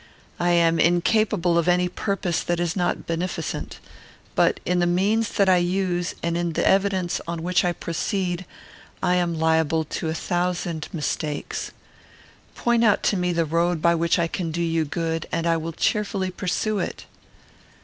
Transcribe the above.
I am incapable of any purpose that is not beneficent; but, in the means that I use and in the evidence on which I proceed, I am liable to a thousand mistakes. Point out to me the road by which I can do you good, and I will cheerfully pursue it."